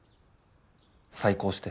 再考して。